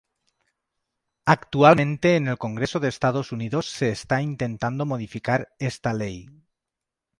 Actualmente en el congreso de Estados Unidos se está intentando modificar esta ley.